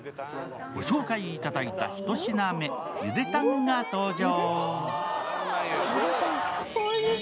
御紹介いただいた１品目、茹でタンが登場。